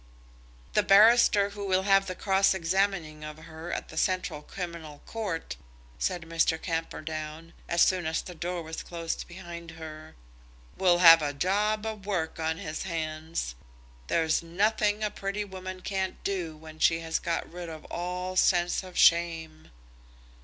"The barrister who will have the cross examining of her at the Central Criminal Court," said Mr. Camperdown, as soon as the door was closed behind her, "will have a job of work on his hands. There's nothing a pretty woman can't do when she has got rid of all sense of shame."